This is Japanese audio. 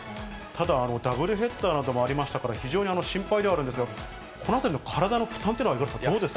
ただ、ダブルヘッダーなどもありましたから、非常に心配ではあるんですが、この辺りの体の負担というのは、五十嵐さんどうですか。